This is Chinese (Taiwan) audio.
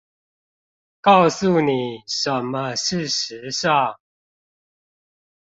告訴妳什麼是時尚